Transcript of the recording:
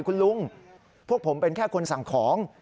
คุณลุงพวกผมเป็นแค่คนสั่งของ